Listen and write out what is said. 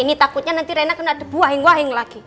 ini takutnya nanti rena kena dibuah buahin lagi